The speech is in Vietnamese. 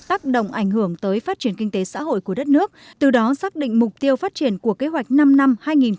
ảnh hưởng tới phát triển kinh tế xã hội của đất nước từ đó xác định mục tiêu phát triển của kế hoạch năm năm hai nghìn hai mươi một hai nghìn hai mươi năm